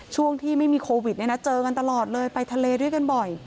ช่วงที่ไม่มีโควิดเนี่ยนะเจอกันตลอดเลยไปทะเลด้วยกันบ่อย